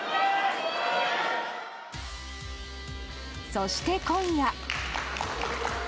そして今夜。